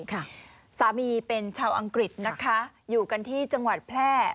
สามีเป็นชาวอังกฤษนะคะอยู่กันที่จังหวัดแพร่